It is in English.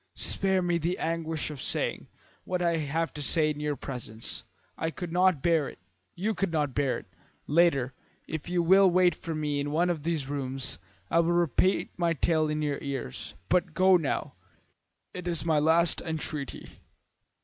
"Spare me the anguish of saying what I have to say in your presence. I could not bear it. You could not bear it. Later, if you will wait for me in one of these rooms, I will repeat my tale in your ears, but go now. It is my last entreaty."